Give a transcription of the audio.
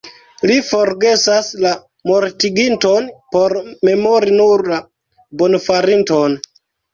Li forgesas la mortiginton por memori nur la bonfarinton.